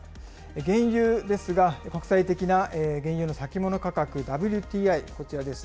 原油ですが、国際的な原油の先物価格ＷＴＩ、こちらです。